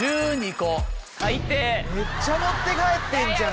めっちゃ持って帰ってんじゃん！